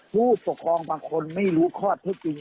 ผู้ปกครองบางคนไม่รู้ความจริง